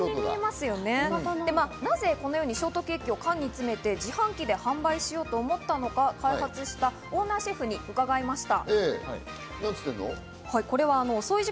なぜこのようにショートケーキを缶に詰めて自販機で販売しようと思ったのか、開発したオーナーシェフに伺いました。